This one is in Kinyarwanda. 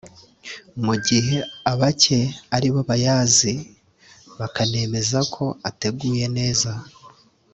mu gihe abake ari bo bayazi bakanemeza ko ateguye neza